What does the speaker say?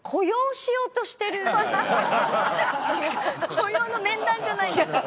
雇用の面談じゃないんですよ。